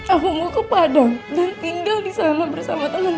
aku mau ke padang dan tinggal di sana bersama temen aku minah